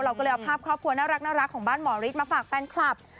เราก็เลยเอาภาพครอบครัวน่ารักของบ้านหมอฤทธิ์มาฝากแฟนคลับ